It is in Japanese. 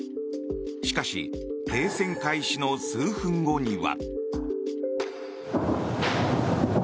しかし、停戦開始の数分後には。